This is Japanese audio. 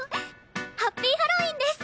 ハッピーハロウィーンです！